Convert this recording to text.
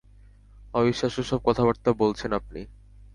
অবিশ্বাস্য সব কথাবার্তা বলছেন আপনি!